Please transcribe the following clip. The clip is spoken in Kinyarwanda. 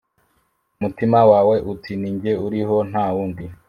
Umutima wawe uti ni jye uriho nta wundi .